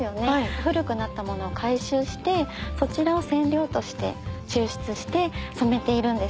古くなった物を回収してそちらを染料として抽出して染めているんです。